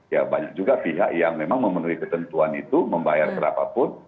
ya banyak juga pihak yang memang memenuhi ketentuan itu membayar berapapun